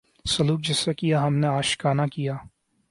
سلوک جس سے کیا ہم نے عاشقانہ کیا